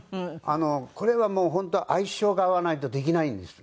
これは本当相性が合わないとできないんです。